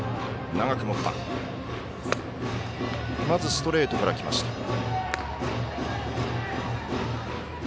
まずストレートからきました。